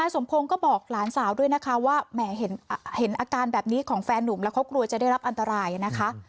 สมพงศ์ก็บอกหลานสาวด้วยนะคะว่าแหมเห็นอาการแบบนี้ของแฟนนุ่มแล้วเขากลัวจะได้รับอันตรายนะคะ